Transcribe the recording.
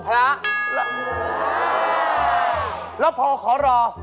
แล้วพอขอรอ